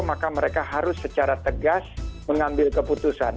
maka mereka harus secara tegas mengambil keputusan